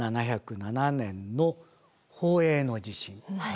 １７０７年の宝永の地震。